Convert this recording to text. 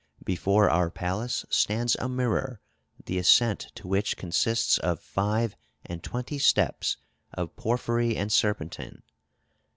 Before our palace stands a mirror, the ascent to which consists of five and twenty steps of porphyry and serpentine."